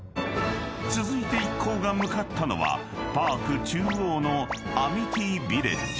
［続いて一行が向かったのはパーク中央のアミティ・ビレッジ］